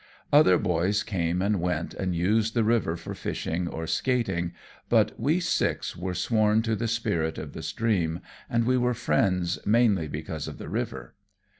Other boys came and went and used the river for fishing or skating, but we six were sworn to the spirit of the stream, and we were friends mainly because of the river.